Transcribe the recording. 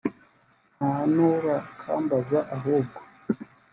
nta n’urakambaza ahubwo